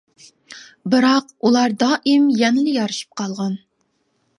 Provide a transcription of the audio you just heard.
بىراق ئۇلار دائىم يەنىلا يارىشىپ قالغان.